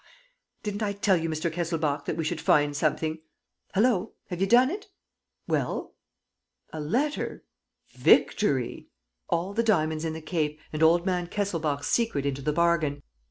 "Didn't I tell you, Mr. Kesselbach, that we should find something? ... Hullo! Have you done it? ... Well? ... A letter? Victory! All the diamonds in the Cape and old man Kesselbach's secret into the bargain!"